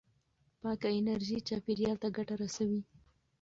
پاکه انرژي چاپېریال ته ګټه رسوي.